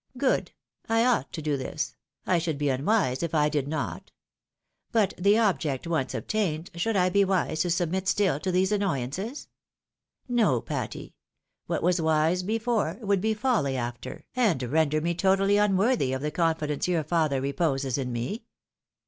Good — I ought to do this ; I should be unwise if I did not. But the object once obtained, should I be wise to submit still to these annoyances? No, Patty ; what was wise before, would be folly after, and render me totally unworthy of the confidence your father reposes in me.